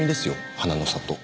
花の里。